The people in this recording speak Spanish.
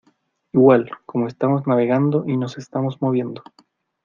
igual, como estamos navegando y nos estamos moviendo